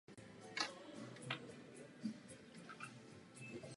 Den v metodě Začít spolu je rozdělen do čtyř částí.